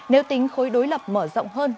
nếu tính khối đối lập mở rộng hơn